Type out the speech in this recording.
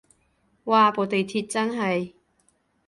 嘩部地鐵真係